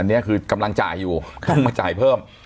อันนี้คือกำลังจ่ายอยู่ต้องมาจ่ายเพิ่ม